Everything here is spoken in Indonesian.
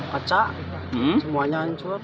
paca semuanya hancur